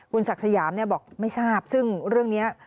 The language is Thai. คุณศักดิ์สยามบอกไม่ทราบซึ่งเรื่องนี้